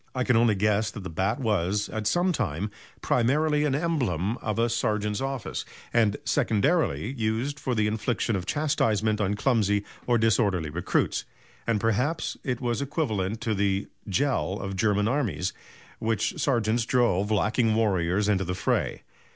I can only guess that the bat was, at some time, primarily, an emblem of a sergeant's office, and, secondarily, used for the infliction of chastisement on clumsy or disorderly recruits; and perhaps it was equivalent to the Prügel of German armies, with which sergeants drove lagging warriors into the fray.